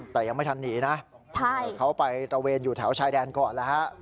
แต่ยังไม่ทันหนีนะเขาไปตระเวนอยู่แถวชายแดนก่อนแล้วฮะ